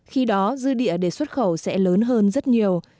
khi đó dư địa để xuất khẩu sẽ lớn hơn rất nhiều